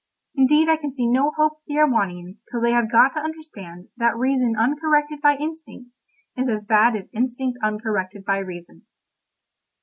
Indeed I can see no hope for the Erewhonians till they have got to understand that reason uncorrected by instinct is as bad as instinct uncorrected by reason.